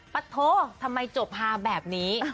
ปะโททำไมจบฮาแบบนี้